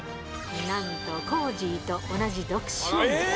なんとコージーと同じ独身。